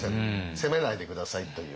責めないで下さいという。